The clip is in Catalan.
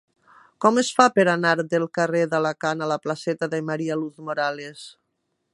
Com es fa per anar del carrer d'Alacant a la placeta de María Luz Morales?